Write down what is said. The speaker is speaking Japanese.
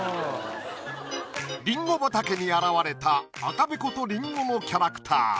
りんご畑に現れた赤べことりんごのキャラクター。